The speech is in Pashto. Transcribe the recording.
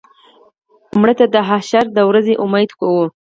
مړه ته د حشر د ورځې امید کوو